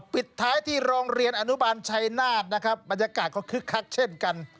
ปิดท้ายที่โรงเรียนอนุบาลชัยนาธนะครับบรรยากาศก็คึกคักเช่นกัน